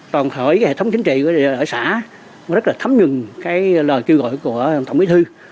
toàn khỏi hệ thống chính trị ở xã nó rất là thấm nhừng cái lời kêu gọi của tổng bí thư